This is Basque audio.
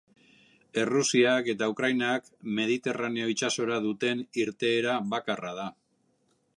Errusiak eta Ukrainak Mediterraneo itsasora duten irteera bakarra da.